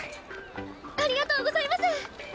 ありがとうございます！